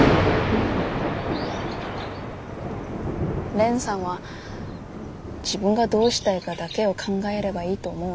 蓮さんは自分がどうしたいかだけを考えればいいと思うんです。